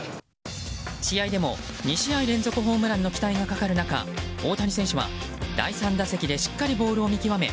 試合でも２試合連続ホームランの期待がかかる中大谷選手は第３打席でしっかりボールを見極め